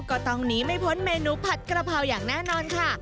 ก็ต้องหนีไม่พ้นเมนูผัดกระเพราอย่างแน่นอนค่ะ